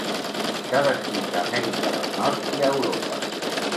S'ha descrit a Amèrica del Nord i a Europa.